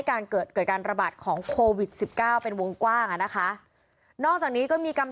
แล้วก็บังคับด้วยว่า